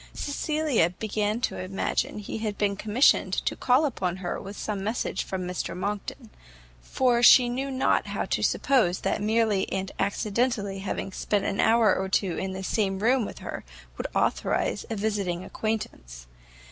Cecilia began to imagine he had been commissioned to call upon her with some message from Mr Monckton: for she knew not how to suppose that merely and accidentally having spent an hour or two in the same room with her, would authorize a visiting acquaintance.